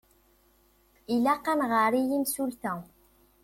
Ilaq ad nɣeṛ i yimsulta.